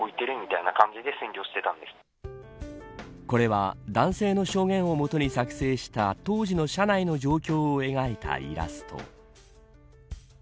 これは、男性の証言を基に作成した当時の車内の状況を描いたイラスト。